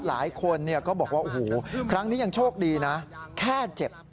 หลายคนก็บอกว่าโอ้โหครั้งนี้ยังโชคดีนะแค่เจ็บ